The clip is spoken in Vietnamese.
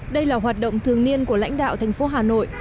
đây là hoạt động thường niên của lãnh đạo thành phố hà nội